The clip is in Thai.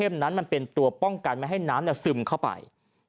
นั้นมันเป็นตัวป้องกันไม่ให้น้ำซึมเข้าไป